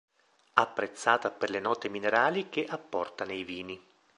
Apprezzata per le note minerali che apporta nei vini.